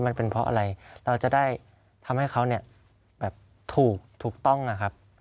มันเป็นเพราะอะไรเราจะได้ทำให้เขาเนี่ยแบบถูกถูกต้องนะครับ